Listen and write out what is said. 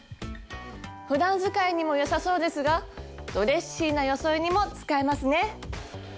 ふだん使いにも良さそうですがドレッシーな装いにも使えますね。